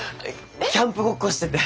キャンプごっこしてて。